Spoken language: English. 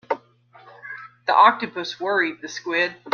The octopus worried the squid.